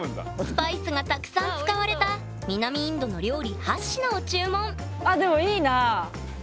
スパイスがたくさん使われた南インドの料理８品を注文あっでもいいなあ。